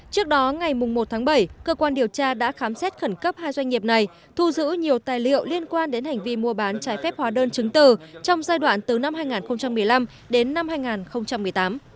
trước đó ngày một tháng bảy cơ quan điều tra đã khám xét khẩn cấp hai doanh nghiệp này thu giữ nhiều tài liệu liên quan đến hành vi mua bán trái phép hóa đơn chứng từ trong giai đoạn từ năm hai nghìn một mươi năm đến năm hai nghìn một mươi tám